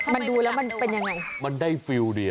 มันดูแล้วมันเป็นยังไงมันได้ฟิลดี